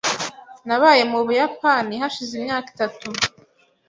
Nabaye mu Buyapani hashize imyaka itatu .